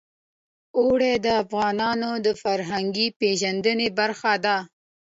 اوړي د افغانانو د فرهنګي پیژندنې برخه ده.